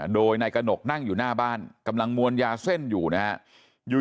โดยนายกระหนกนั่งอยู่หน้าบ้านกำลังมวลยาเส้นอยู่นะฮะ